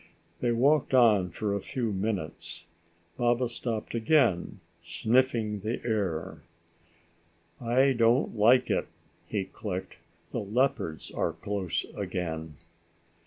They walked on for a few minutes. Baba stopped again, sniffing the air. "I don't like it," he clicked. "The leopards are close again."